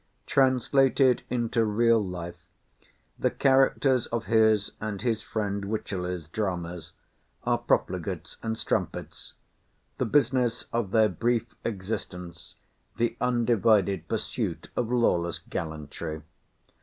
Translated into real life, the characters of his, and his friend Wycherley's dramas, are profligates and strumpets,—the business of their brief existence, the undivided pursuit of lawless gallantry.